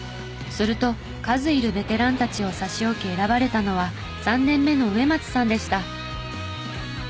すると数いるベテランたちを差し置き選ばれたのは３年目の植松さんでした。